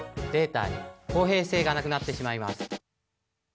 データに公平性がなくなってしまいます。